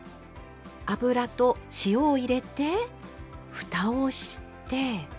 油と塩を入れてふたをして。